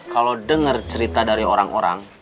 kalau dengar cerita dari orang orang